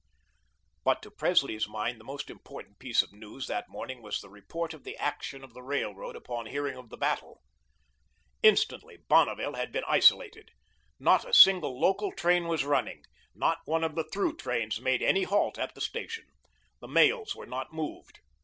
But to Presley's mind the most important piece of news that morning was the report of the action of the Railroad upon hearing of the battle. Instantly Bonneville had been isolated. Not a single local train was running, not one of the through trains made any halt at the station. The mails were not moved.